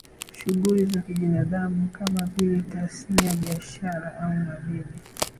Shughuli za kibinadamu kama vile tasnia biashara au madini